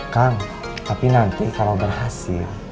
kang tapi nanti kalau berhasil